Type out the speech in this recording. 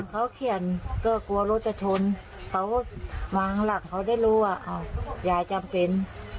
ป้ายเขาเขียนก็กลัวรถจะชนแต่ว่าหลังเขาได้รู้ว่ายายจำเป็น